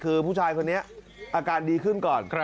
คือผู้ชายคนนี้อาการดีขึ้นก่อน